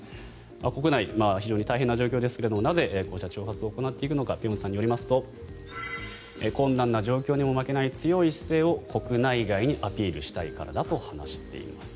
国内、非常に大変な状況ですがなぜこうした挑発を行っていくのか辺さんによりますと困難な状況にも負けない強い姿勢を国内外にアピールしたいからだと話しています。